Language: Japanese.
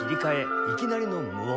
いきなりの無音。